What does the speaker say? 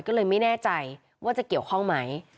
ก็เลยไม่แน่ใจว่าจะเกี่ยวข้องไหม